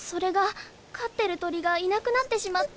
飼ってる鳥がいなくなってしまって。